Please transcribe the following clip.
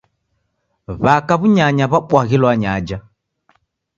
W'aka w'unyanya w'abwaghilo anyaja.